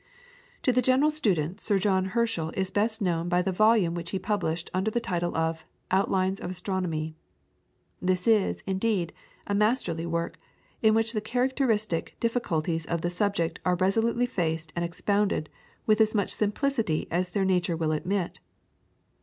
To the general student Sir John Herschel is best known by the volume which he published under the title of "Outlines of Astronomy." This is, indeed, a masterly work, in which the characteristic difficulties of the subject are resolutely faced and expounded with as much simplicity as their nature will admit.